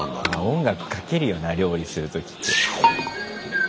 音楽かけるよな料理する時って。